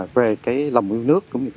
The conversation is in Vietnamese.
về lòng yêu nước